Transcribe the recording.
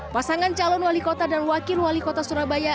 pasangan calon wali kota dan wakil wali kota surabaya